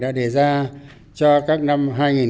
đã đề ra cho các năm hai nghìn hai mươi bốn hai nghìn hai mươi năm